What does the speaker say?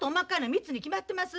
３つに決まってます。